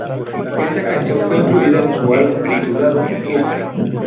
Esta canción fue incluido en su álbum titulado "Up".